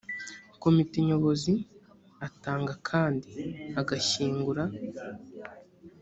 komite nyobozi atanga kandi agashyingura